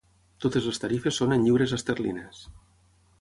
Totes les tarifes són en lliures esterlines.